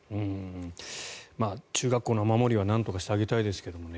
中学校の雨漏りはなんとかしてあげたいですけどね。